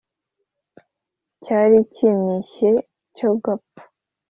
cyari kinishye cyogapfa